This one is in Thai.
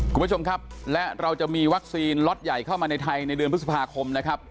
คุณผู้ชมครับและเราจะมีวัคซีนล็อตใหญ่เข้ามาในไทยในเดือนพฤษภาคมนะครับ